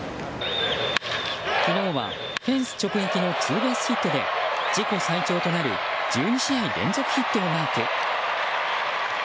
昨日はフェンス直撃のツーベースヒットで自己最長となる１２試合連続ヒットをマーク。